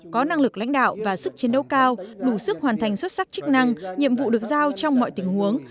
có năng lực lãnh đạo và sức chiến đấu cao đủ sức hoàn thành xuất sắc chức năng nhiệm vụ được giao trong mọi tình huống